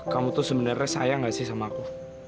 kamu tuh sebenarnya sayang gak sih sama aku